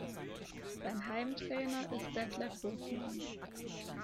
Sein Heimtrainer ist Detlef Hofmann.